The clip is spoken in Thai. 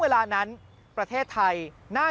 กลับวันนั้นไม่เอาหน่อย